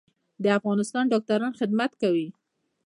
د افغانستان ډاکټران خدمت کوي